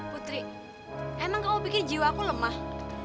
putri emang kamu pikir jiwa aku lemah